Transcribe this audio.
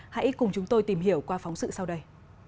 hãy cùng chúng tôi tìm hiểu qua phóng sự sau đây